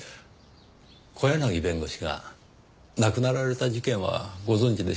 小柳弁護士が亡くなられた事件はご存じでしょうか？